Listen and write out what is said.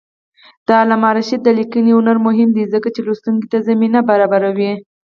د علامه رشاد لیکنی هنر مهم دی ځکه چې لوستونکي ته زمینه برابروي.